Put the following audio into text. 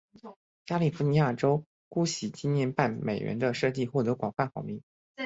加利福尼亚州钻禧纪念半美元的设计获得广泛好评。